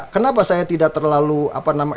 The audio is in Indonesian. kenapa saya tidak terlalu apa namanya